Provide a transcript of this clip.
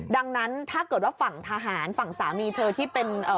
ดังนั้นถ้าเกิดว่าฝั่งทหารฝั่งสามีเธอที่เป็น